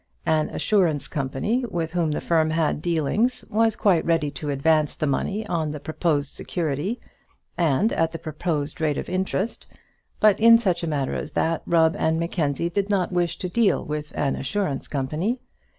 An assurance company with whom the firm had dealings was quite ready to advance the money on the proposed security, and at the proposed rate of interest, but in such a matter as that, Rubb and Mackenzie did not wish to deal with an assurance company.